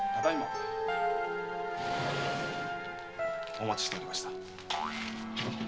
お待ちしておりました。